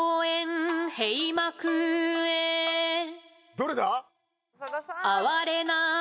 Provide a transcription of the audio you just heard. どれだ？